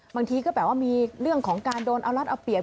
บางทีก็แบบว่ามีเรื่องของการโดนเอารัดเอาเปลี่ยน